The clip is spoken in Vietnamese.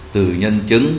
từ nhân chứng